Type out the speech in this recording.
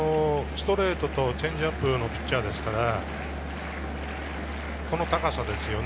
ストレートとチェンジアップのピッチャーですから、この高さですよね。